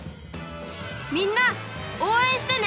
みんなおうえんしてね！